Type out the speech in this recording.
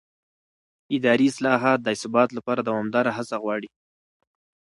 اداري اصلاحات د ثبات لپاره دوامداره هڅه غواړي